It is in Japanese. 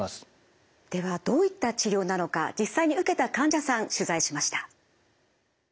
ではどういった治療なのか実際に受けた患者さん取材しました。